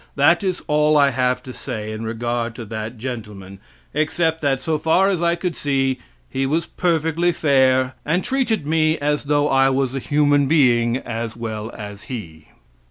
That is all I have to say in regard to that gentleman, except that, so far as I could see, he was perfectly fair, and treated me as though I was a human being as well as he.